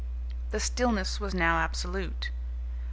The stillness was now absolute.